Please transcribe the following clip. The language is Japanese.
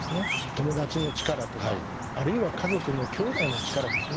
友達の力とかあるいは家族のきょうだいの力ですね。